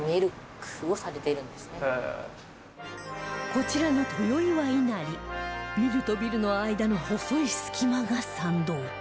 こちらの豊岩稲荷ビルとビルの間の細い隙間が参道